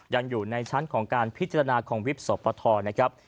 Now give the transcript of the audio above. ยังอยู่ในชั้นของการพิจารณาของวิบสปทนะครับ